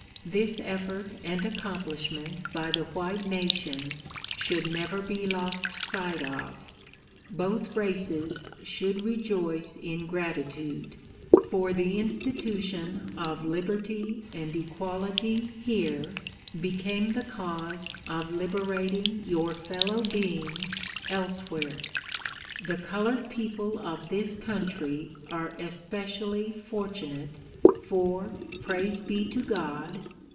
This effort and accomplishment by the white na tions should never be lost sight of. Both races should rejoice in gratitude, for the institution of liberty and equality here became the cause of liberating your fellow beings elsewhere. The colored people of this country are especially fortunate, for, Praise be to God